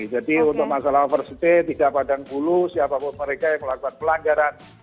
jadi untuk masalah overseas pay tidak padang bulu siapapun mereka yang melakukan pelanggaran